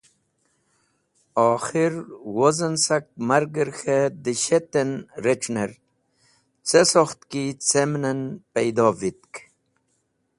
Okhir wozen sak marger k̃he da shet en rec̃hner ce sokht ki cemnnen paydo vitk.